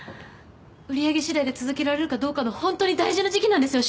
売り上げしだいで続けられるかどうかのほんとに大事な時期なんですよ